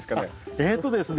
えとですね